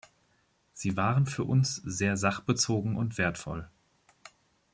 Sie waren für uns sehr sachbezogen und wertvoll.